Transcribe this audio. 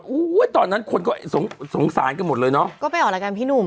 อืม